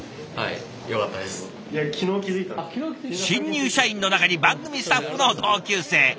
新入社員の中に番組スタッフの同級生。